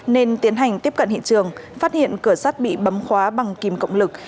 nên tiến hành tiếp cận hiện trường phát hiện cửa sát bị bấm khóa bằng kìm cộng lực